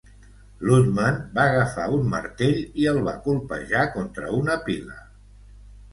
Ludman va agafar un martell i el va colpejar contra una pila.